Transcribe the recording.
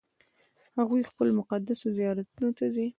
هغوی خپلو مقدسو زیارتونو ته ځي.